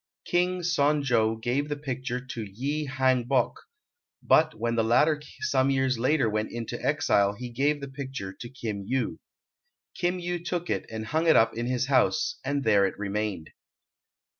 King Son jo gave the picture to Yi Hang bok, but when the latter some years later went into exile he gave the picture to Kim Yu. Kim Yu took it, and hung it up in his house and there it remained.